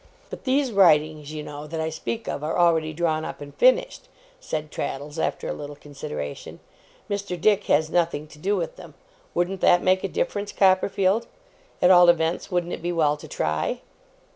'But these writings, you know, that I speak of, are already drawn up and finished,' said Traddles after a little consideration. 'Mr. Dick has nothing to do with them. Wouldn't that make a difference, Copperfield? At all events, wouldn't it be well to try?